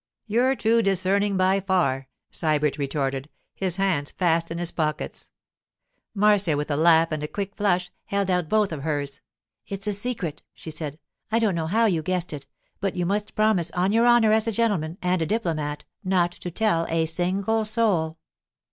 'You're too discerning by far,' Sybert retorted, his hands fast in his pockets. Marcia, with a laugh and a quick flush, held out both of hers. 'It's a secret,' she said. 'I don't know how you guessed it, but you must promise on your honour as a gentleman and a diplomat not to tell a single soul!